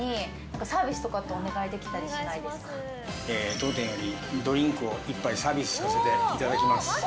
当店よりドリンクを１杯サービスさせていただきます。